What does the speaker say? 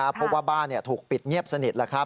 เพราะว่าบ้านถูกปิดเงียบสนิท